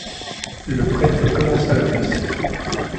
Le prêtre commença la messe.